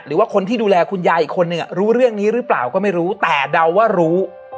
หรือว่าคนที่ดูแลคุณยายอีกคนนึงรู้เรื่องนี้หรือเปล่าก็ไม่รู้แต่เดาว่ารู้